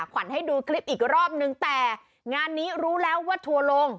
ขวัญให้ดูคลิปอีกรอบนึงแต่งานนี้รู้แล้วว่าทัวร์ลง